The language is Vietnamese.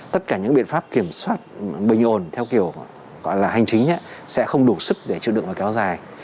tất cả những biện pháp kiểm soát bình ổn theo kiểu gọi là hành chính sẽ không đủ sức để chịu đựng và kéo dài